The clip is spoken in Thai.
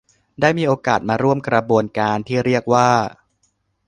ได้มีโอกาสมาร่วมกระบวนการที่เรียกว่า